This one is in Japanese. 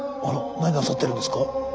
あら何なさってるんですか？